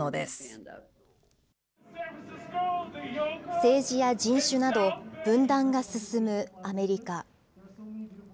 政治や人種など、分断が進むアメリカ。